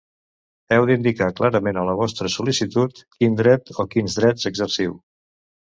Heu d'indicar clarament a la vostra sol·licitud quin dret o quins drets exerciu.